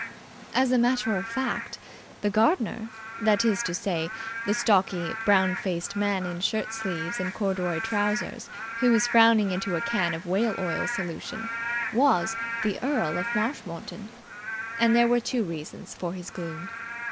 As a matter of fact, the gardener that is to say, the stocky, brown faced man in shirt sleeves and corduroy trousers who was frowning into a can of whale oil solution was the Earl of Marshmoreton, and there were two reasons for his gloom.